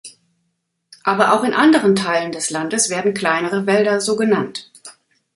Aber auch in anderen Teilen des Landes werden kleinere Wälder so genannt.